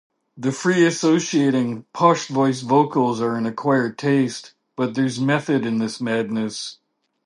The free-associating, posh-voiced vocals are an acquired taste, but there's method in this madness.